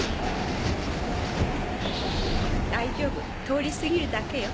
大丈夫通り過ぎるだけよ。